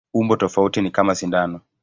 Umbo tofauti ni kama sindano.